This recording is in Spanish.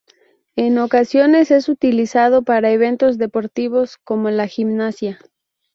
En ocasiones es utilizado para eventos deportivos como la gimnasia.